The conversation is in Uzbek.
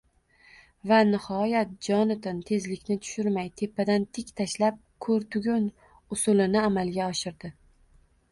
Va nihoyat, Jonatan tezlikni tushirmay, tepadan tik tashlab «ko‘r tugun» usulini amalga oshirdi.